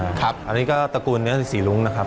อันนี้ก็ตระกูลเนื้อสีรุ้งนะครับ